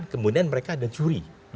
kemudian mereka ada juri